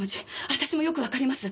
私もよくわかります。